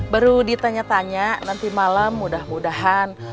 baru ditanya tanya nanti malam mudah mudahan